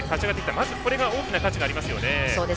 まずこれが大きな価値がありますよね。